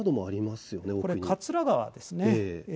これは桂川ですね。